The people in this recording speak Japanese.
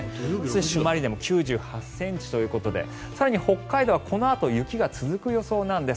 朱鞠内でも９８ｃｍということで更に北海道はこのあと雪が続く予想なんです。